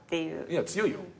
いや強いよ。